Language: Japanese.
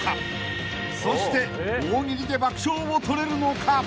［そして大喜利で爆笑をとれるのか？］